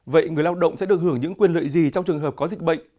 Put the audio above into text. vậy người lao động sẽ được hưởng những quyền lợi gì trong trường hợp có dịch bệnh